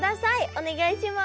お願いします。